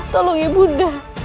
tolong ibu nanda